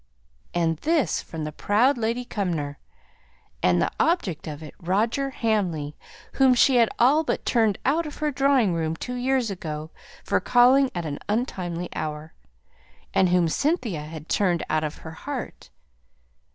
And this from the proud Lady Cumnor; and the object of it Roger Hamley, whom she had all but turned out of her drawing room two years ago for calling at an untimely hour; and whom Cynthia had turned out of her heart.